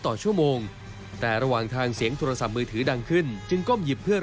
ตอนหมุนแล้วเราอยู่ยังไงเราก็ไม่นึกถึงน้ำพ่อน้ำแม่แก่น